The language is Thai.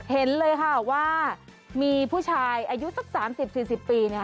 เห็นเลยค่ะว่ามีผู้ชายอายุสัก๓๐๔๐ปีเนี่ย